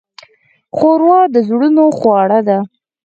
ښوروا د زړونو خواړه دي.